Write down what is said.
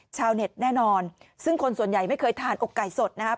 ชาวเน็ตแน่นอนซึ่งคนส่วนใหญ่ไม่เคยทานอกไก่สดนะครับ